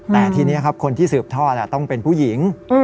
แต่ทีนี้ครับคนที่สืบทอดต้องเป็นผู้หญิง